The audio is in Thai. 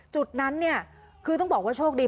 จุดนั้นเนี่ยคือต้องบอกว่าโชคดี